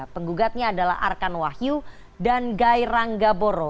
penggugatnya adalah arkan wahyu dan gairang gaboro